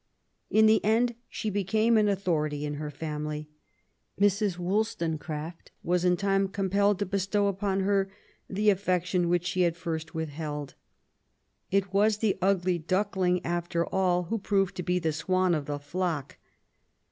In the end she became an authority in her family. Mrs. WoUstonecraft was in time compelled to bestow upon her the affection which she had first withheld. It was the ugly duckling after all who proved to be the swan of the flock.